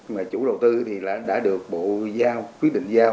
mà chủ đầu tư thì đã được bộ giao quyết định giao